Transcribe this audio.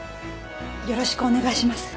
よろしくお願いします。